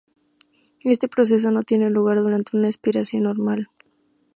Este proceso no tiene lugar durante una espiración normal.